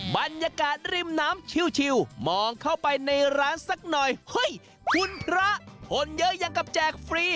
บรรยากาศริมน้ำชิวมองเข้าไปในร้านสักหน่อยเฮ้ยคุณพระคนเยอะยังกับแจกฟรี